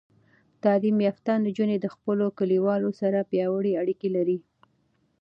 تعلیم یافته نجونې د خپلو کلیوالو سره پیاوړې اړیکې لري.